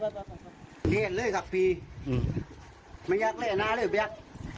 มีเกลียดเลยสักปีมันยากเล่น้าเลยเปลี่ยก